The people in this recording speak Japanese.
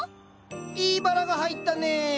いいバラが入ったねえ。